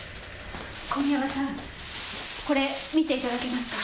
小宮山さんこれ見ていただけますか？